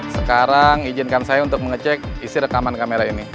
sekarang izinkan saya untuk mengecek isi rekaman kamera ini